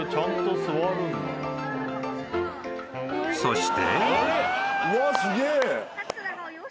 ［そして］